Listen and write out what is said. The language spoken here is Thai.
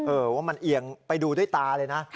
ว่ามันเอียงไปดูด้วยตาเลยนะ